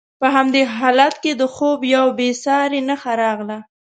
په همدې حالت کې د خوب یوه بې ساري نښه راغله.